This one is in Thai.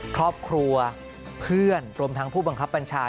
ครอบครัวเพื่อนรวมทั้งผู้บังคับบัญชา